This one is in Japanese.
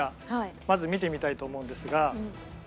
まず見てみたいと思うんですが。